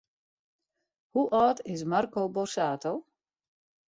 Hoe âld is Marco Borsato?